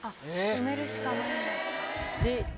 埋めるしかないんだ。